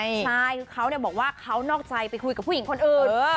ใช่คือเขาบอกว่าเขานอกใจไปคุยกับผู้หญิงคนอื่น